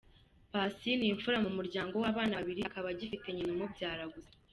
Paccy ni imfura mu muryango w’abana babiri, akaba agifite nyina umubyara gusa.